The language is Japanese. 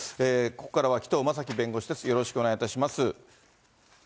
ここからは紀藤正樹弁護士です、よろしくお願いします。